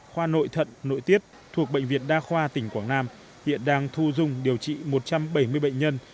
khoa nội thận nội tiết thuộc bệnh viện đa khoa tỉnh quảng nam hiện đang thu dung điều trị một trăm bảy mươi bệnh nhân